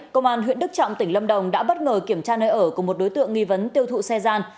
công an huyện đức trọng tỉnh lâm đồng đã bất ngờ kiểm tra nơi ở của một đối tượng nghi vấn tiêu thụ xe gian